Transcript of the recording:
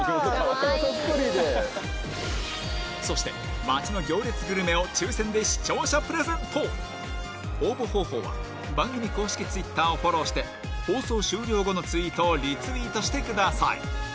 お顔そっくりでそして街の行列グルメを抽選で視聴者プレゼント応募方法は番組公式Ｔｗｉｔｔｅｒをフォローして放送終了後のツイートをリツイートしてください